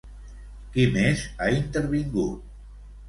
Qui més ha intervingut?